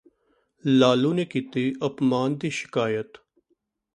ਲਾਲੂ ਨੇ ਕੀਤੀ ਅਪਮਾਨ ਦੀ ਸਿ਼ਕਾਇਤ